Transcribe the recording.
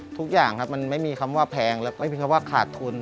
ทุกอย่างไม่มีคำว่าแพงและไม่มีคำว่าขาดทุน